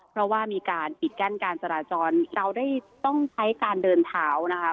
เพราะว่ามีการปิดกั้นการจราจรเราได้ต้องใช้การเดินเท้านะคะ